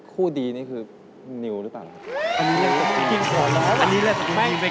คู่ดีนี่คือนิวหรือเปล่า